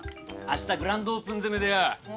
あしたグランドオープン攻めでよ